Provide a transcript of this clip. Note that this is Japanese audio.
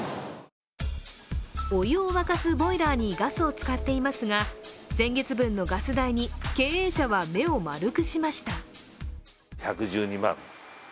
お湯を沸かすボイラーにガスを使っていますが、先月分のガス代に経営者は目を丸くしました。